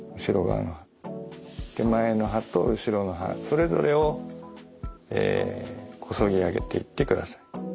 手前の歯と後ろの歯それぞれをえこそぎ上げていってください。